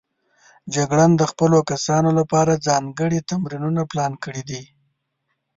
جګړن د خپلو کسانو لپاره ځانګړي تمرینونه پلان کړي دي.